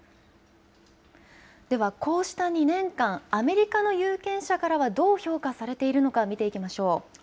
ではこうした２年間、アメリカの有権者からはどう評価されているのか見ていきましょう。